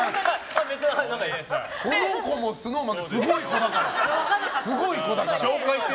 この子もＳｎｏｗＭａｎですごい子だから。